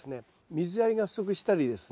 水やりが不足したりですね